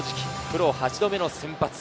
プロ８度目の先発。